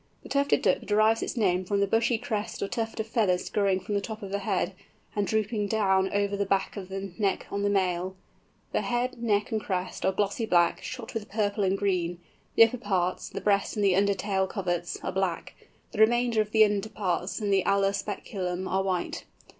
The Tufted Duck derives its name from the bushy crest or tuft of feathers growing from the top of the head, and drooping down over the back of the neck on the male. The head, neck, and crest are glossy black, shot with purple and green; the upper parts, the breast and the under tail coverts, are black; the remainder of the underparts and the alar speculum are white.